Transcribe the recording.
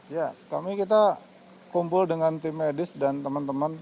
ya kami kita kumpul dengan tim medis dan teman teman